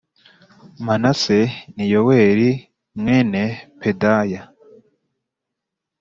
Manase ni Yoweli mwene Pedaya